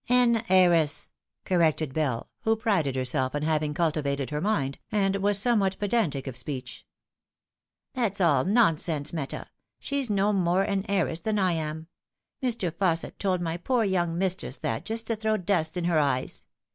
" An heiress," corrected Bell, who prided herself on having cultivated her mind, and was somewhat pedantic of speech. " That's all nonsense, Meta. She's no more an heiress than I am. Mr. Fausset told my poor young mistress that just to throw dust in her eyes.